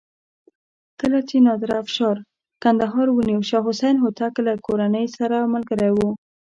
کله چې نادر افشار کندهار ونیو شاه حسین هوتک له کورنۍ سره ملګری و.